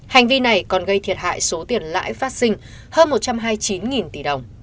hành vi này còn gây thiệt hại số tiền lãi phát sinh hơn một trăm hai mươi chín tỷ đồng